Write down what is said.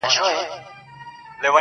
یو ناڅاپه غشی ورغی له مځکي -